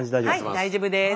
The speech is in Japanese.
はい大丈夫です。